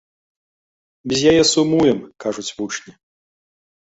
Без яе сумуем, кажуць вучні.